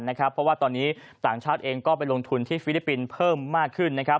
เพราะว่าตอนนี้ต่างชาติเองก็ไปลงทุนที่ฟิลิปปินส์เพิ่มมากขึ้น